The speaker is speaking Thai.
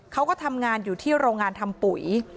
เขาก็ทำงานอยู่ที่โรงงานทำปุ๋ย